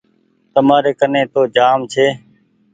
تمآري ڪني تو جآم ڇي۔